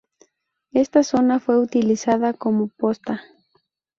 Esta zona fue utilizada como posta.